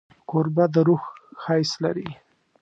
کوربه د روح ښایست لري.